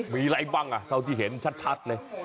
มีอะไรบ้างเท่าที่เห็นชัดเลย